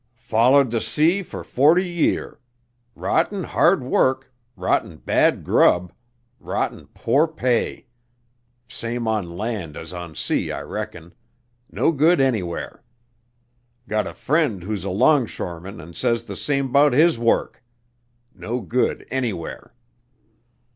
"Follered the sea for forty year. Rotten hard work rotten bad grub rotten poor pay. Same on land as on sea, I reckon. No good anywhere. Got a friend who's a longshoreman and says th' same 'bout his work. No good anywhere."